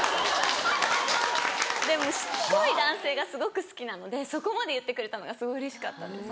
でもしつこい男性がすごく好きなのでそこまで言ってくれたのがすごいうれしかったんです。